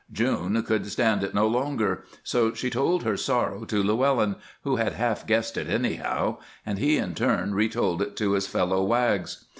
June could stand it no longer; so she told her sorrow to Llewellyn, who had half guessed it, anyhow, and he in turn retold it to his fellow Wags.